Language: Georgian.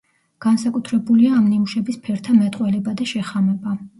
განსაკუთრებულია ამ ნიმუშების ფერთა მეტყველება და შეხამება.